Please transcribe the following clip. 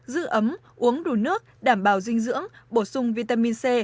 giữ ấm uống đủ nước đảm bảo dinh dưỡng bổ sung vitamin c